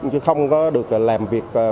chứ không có được làm việc